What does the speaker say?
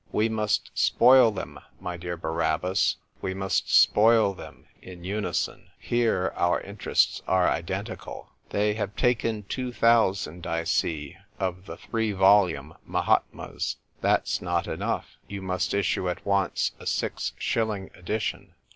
We must spoil them, my dear Barabbas ; we must spoil them, in unison. Here, our interests are identical. They have taken two thousand, I see, of the three volume 'Mahatmas,' That's not enough ; you must issue at once a six shilling edition.